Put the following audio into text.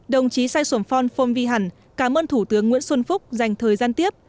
đồng chí sai suom phong phong vi hẳn cảm ơn thủ tướng nguyễn xuân phúc dành thời gian tiếp